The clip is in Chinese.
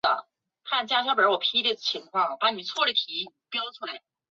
锐裂齿顶叶冷水花为荨麻科冷水花属下的一个变种。